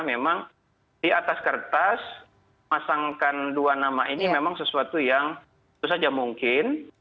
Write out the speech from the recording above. memang di atas kertas masangkan dua nama ini memang sesuatu yang itu saja mungkin